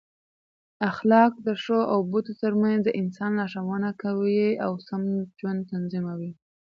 اخلاق د ښو او بدو ترمنځ د انسان لارښوونه کوي او سم ژوند تضمینوي.